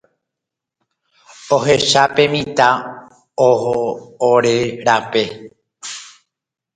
Ohesapemíta ore raperã